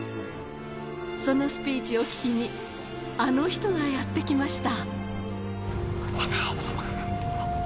そのスピーチを聞きに、あの人がやって来ました。